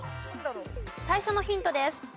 最初のヒントです。